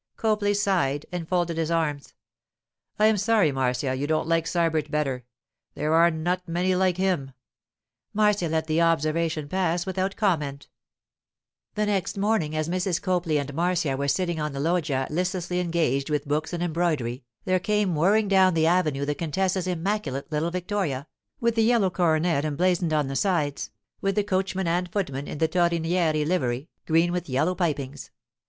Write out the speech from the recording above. Copley sighed and folded his arms. 'I am sorry, Marcia, you don't like Sybert better. There are not many like him.' Marcia let the observation pass without comment. The next morning, as Mrs. Copley and Marcia were sitting on the loggia listlessly engaged with books and embroidery, there came whirring down the avenue the contessa's immaculate little victoria, with the yellow coronet emblazoned on the sides, with the coachman and footman in the Torrenieri livery, green with yellow pipings.